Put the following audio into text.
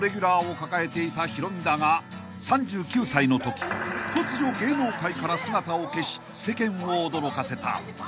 抱えていたヒロミだが３９歳のとき突如芸能界から姿を消し世間を驚かせた］